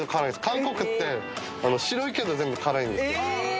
韓国って白いけど全部辛いんですよ